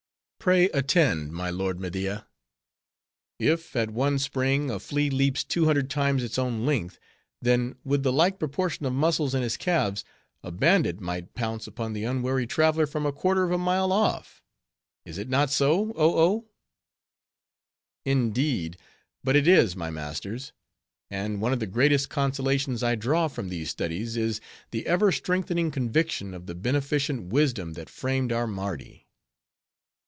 Pray, attend, my lord Media. If, at one spring, a flea leaps two hundred times its own length, then, with the like proportion of muscles in his calves, a bandit might pounce upon the unwary traveler from a quarter of a mile off. Is it not so, Oh Oh?" "Indeed, but it is, my masters. And one of the greatest consolations I draw from these studies, is the ever strengthening conviction of the beneficent wisdom that framed our Mardi.